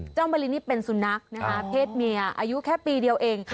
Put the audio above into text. มะลินี่เป็นสุนัขนะคะเพศเมียอายุแค่ปีเดียวเอง